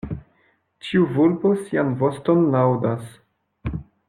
Ĉiu vulpo sian voston laŭdas.